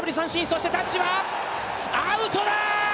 そしてタッチはアウトだ！